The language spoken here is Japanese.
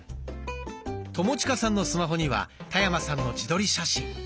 友近さんのスマホには田山さんの自撮り写真。